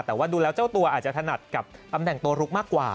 แต่ว่าดูแล้วเจ้าตัวอาจจะถนัดกับตำแหน่งตัวลุกมากกว่า